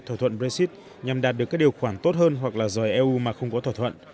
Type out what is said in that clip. thỏa thuận brexit nhằm đạt được các điều khoản tốt hơn hoặc dòi eu mà không có thỏa thuận